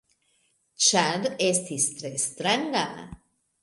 Ĉar estis tre stranga.